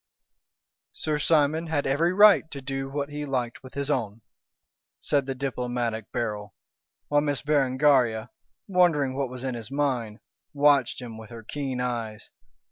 "Sir Simon had every right to do what he liked with his own," said the diplomatic Beryl, while Miss Berengaria, wondering what was in his mind, watched him with her keen eyes.